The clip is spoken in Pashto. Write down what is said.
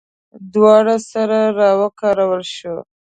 دواړه سره راوکاره شول.